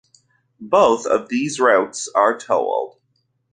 Both of these routes are tolled.